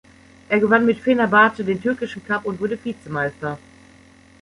Er gewann mit Fenerbahce den türkischen Cup und wurde Vize-Meister.